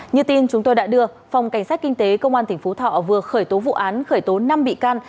như tin chúng tôi đã đưa phòng cảnh sát kinh tế công an tỉnh phú thọ vừa khởi tố vụ án khởi tố năm bị can